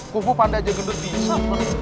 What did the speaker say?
kumpu pandai aja gendut bisa